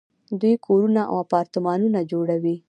دوی کورونه او اپارتمانونه جوړوي.